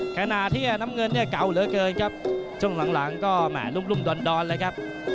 ขณะที่น้ำเงินเนี่ยเก่าเหลือเกินครับช่วงหลังก็แหม่รุ่มดอนเลยครับ